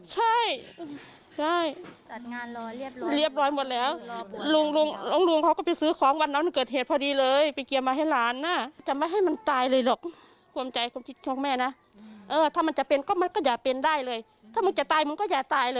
ใช่ใช่จัดงานเรียบร้อยหมดแล้วลูกลูกลองลูกเขาก็ไปซื้อของวันนั้นเกิดเหตุพอดีเลยไปเกียรติมาให้หลานนะจะไม่ให้มันตายเลยหรอก